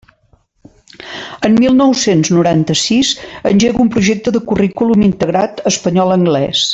En mil nou-cents noranta-sis, engega un projecte de currículum integrat espanyol anglés.